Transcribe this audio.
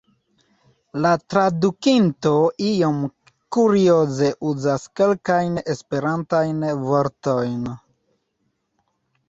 La tradukinto iom kurioze uzas kelkajn esperantajn vortojn.